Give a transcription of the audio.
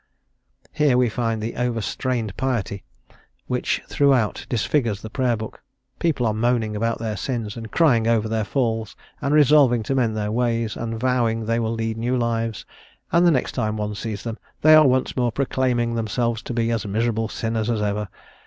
Here we find the overstrained piety which throughout disfigures the Prayer Book; people are moaning about their sins, and crying over their falls, and resolving to mend their ways, and vowing they will lead new lives, and the next time one sees them they are once more proclaiming themselves to be as miserable sinners as ever.